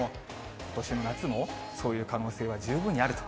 ことしの夏もそういう可能性は十分にあると。